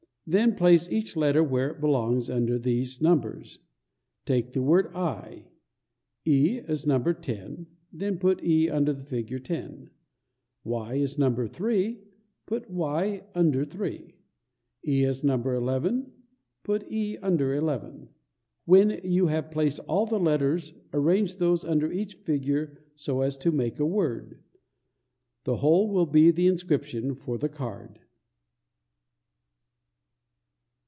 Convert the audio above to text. Then place each letter where it belongs under these numbers. Take the word "EYE." E is numbered 10, then put E under the figure 10; Y is numbered 3, put Y under 3; E is numbered 11, put E under 11. When you have placed all the letters, arrange those under each figure so as to make a word. The whole will be the inscription for the card.